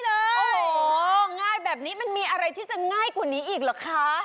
โอ้โหง่ายแบบนี้มันมีอะไรที่จะง่ายกว่านี้อีกเหรอคะ